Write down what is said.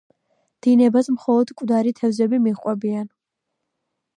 დინებას, მხოლოდ მკვდარი თევზები მიჰყვებიან.